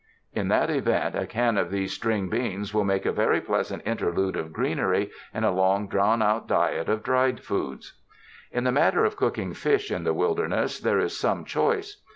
In that event, a can of these string beans will make a very pleasant interlude of greenery in a long drawn out diet of dried foods. In the matter of cooking fish in the wilderness, there is some choice.